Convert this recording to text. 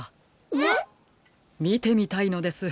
えっ？みてみたいのです。